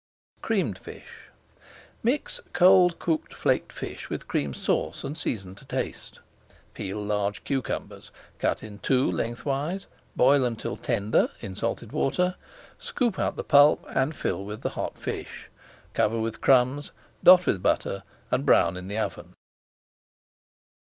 CREAMED FISH Mix cold cooked flaked fish with Cream Sauce and season to taste. Peel large cucumbers, cut in two lengthwise, boil until tender in [Page 461] salted water, scoop out the pulp, and fill with the hot fish. Cover with crumbs, dot with butter, and brown in the oven.